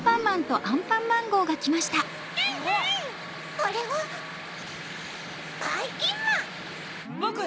あれは⁉ばいきんまん！